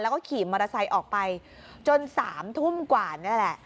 แล้วก็ขี่มอเตอร์ไซค์ออกไปจน๓ทุ่มกว่านี่แหละ